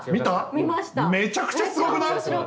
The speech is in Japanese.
めちゃくちゃすごくない？